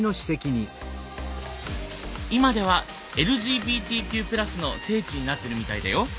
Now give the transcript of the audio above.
今ではＬＧＢＴＱ＋の聖地になってるみたいだよ。